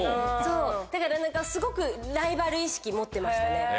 だからすごくライバル意識持ってましたね。